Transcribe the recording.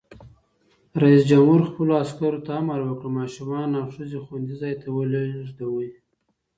رئیس جمهور خپلو عسکرو ته امر وکړ؛ ماشومان او ښځې خوندي ځای ته ولېلوئ!